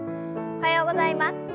おはようございます。